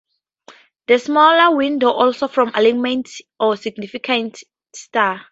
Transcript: The smaller windows also form alignments, on significant stars.